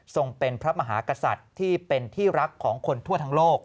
เป็นพระมหากษัตริย์ที่เป็นที่รักของคนทั่วทั้งโลก